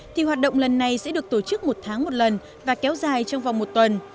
thì hoạt động lần này sẽ được tổ chức một tháng một lần và kéo dài trong vòng một tuần